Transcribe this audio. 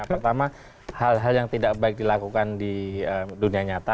pertama hal hal yang tidak baik dilakukan di dunia nyata